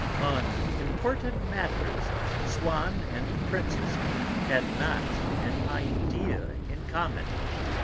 On important matters, Swann and the Princess had not an idea in common.